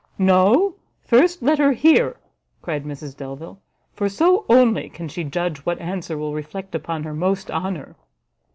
"No, first let her hear!" cried Mrs Delvile, "for so only can she judge what answer will reflect upon her most honour."